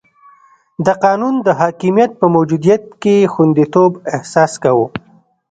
د قانون د حاکمیت په موجودیت کې خونديتوب احساس کاوه.